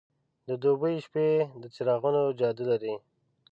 د دوبی شپې د څراغونو جادو لري.